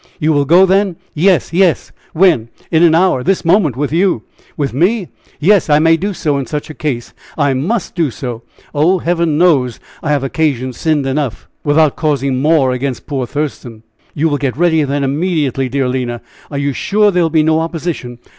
"You will go, then?" "Yes! yes." "When?" "In an hour this moment with you." "With me?" "Yes! I may do so in such a case. I must do so! Oh! Heaven knows, I have occasioned sin enough, without causing more against poor Thurston!" "You will get ready, then, immediately, dear Lina. Are you sure there will be no opposition?"